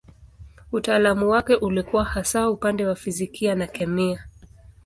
Utaalamu wake ulikuwa hasa upande wa fizikia na kemia.